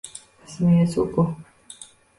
Ismi Yasuko